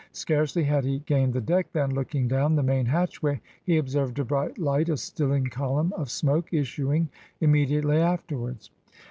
Scarcely had he gained the deck, than, looking down the main hatchway, he observed a bright light, a stilling column of smoke issuing immediately afterwards.